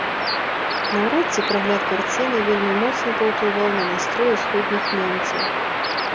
Наўрад ці прагляд карціны вельмі моцна паўплываў на настрой усходніх немцаў.